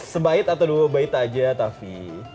sebait atau dua bait aja taffy